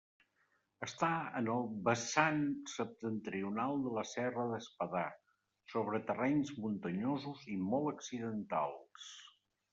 Està en el vessant septentrional de la serra d'Espadà, sobre terrenys muntanyosos i molt accidentals.